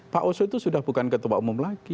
pak oso itu sudah bukan ketua umum lagi